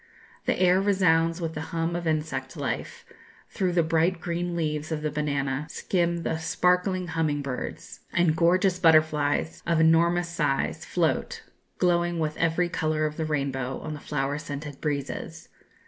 The air resounds with the hum of insect life; through the bright green leaves of the banana skim the sparkling humming birds, and gorgeous butterflies of enormous size float, glowing with every colour of the rainbow, on the flower scented breezes.